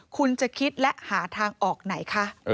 คุณจะคิดและหาทางออกไหนคะ